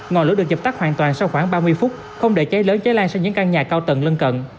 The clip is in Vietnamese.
ngọn lửa được dập tắt hoàn toàn sau khoảng ba mươi phút không để cháy lớn cháy lan sang những căn nhà cao tầng lân cận